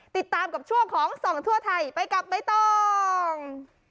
ติดตามกับช่วงของส่องทั่วไทยไปกับใบตอง